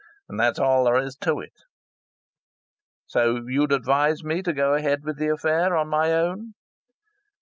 And that's all there is to it." "So you'd advise me to go ahead with the affair on my own?"